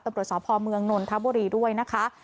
ปรบรวจสอบภอมเมืองนนทบุรีด้วยนะคะ